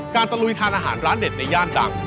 ตะลุยทานอาหารร้านเด็ดในย่านดัง